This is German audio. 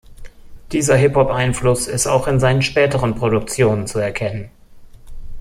Dieser Hip-Hop-Einfluss ist auch in seinen späteren Produktionen zu erkennen.